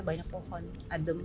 banyak pohon adem